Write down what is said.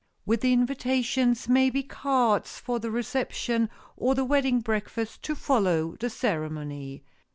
With the invitations may be cards for the reception or the wedding breakfast to follow the ceremony.